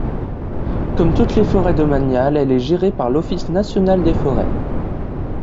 Comme toutes les forêts domaniales elle est gérée par l'Office national des forêts.